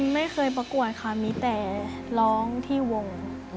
ไม่เคยประกวดค่ะมีแต่ร้องที่วง